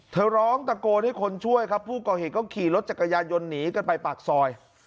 ร้องตะโกนให้คนช่วยครับผู้ก่อเหตุก็ขี่รถจักรยานยนต์หนีกันไปปากซอย